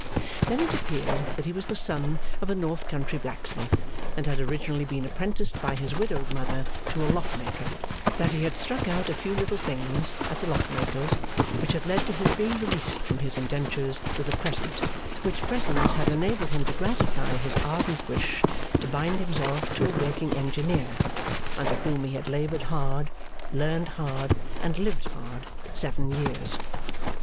Then it appeared that he was the son of a north country blacksmith, and had originally been apprenticed by his widowed mother to a lock maker; that he had 'struck out a few little things' at the lock maker's, which had led to his being released from his indentures with a present, which present had enabled him to gratify his ardent wish to bind himself to a working engineer, under whom he had laboured hard, learned hard, and lived hard, seven years.